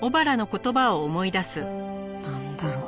なんだろう？